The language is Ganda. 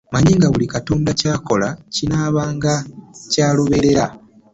Mmanyi nga buli Katonda ky'akola kinaabanga kya lubeerera